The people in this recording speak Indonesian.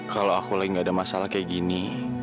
kalau aku lagi gak ada masalah kayak gini